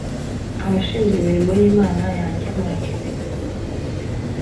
abashinzwe imirimo y’Imana yanjye murakenewe